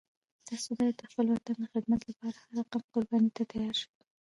تاسو باید د خپل وطن د خدمت لپاره هر رقم قربانی ته تیار شئ